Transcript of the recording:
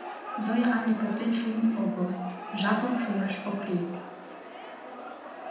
Зоя але поктен шуын огыл, жапым шуяш ок лий.